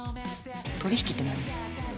取引って何？